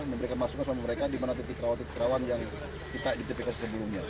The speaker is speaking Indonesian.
memberikan masukan sama mereka di mana titik rawan titik rawan yang kita identifikasi sebelumnya